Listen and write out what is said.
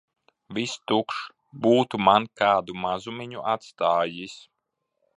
Viss tukšs. Būtu man kādu mazumiņu atstājis!